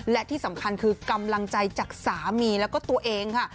และที่สำคัญคือกำลังใจจากสามีแล้วก็ตัวเองค่ะ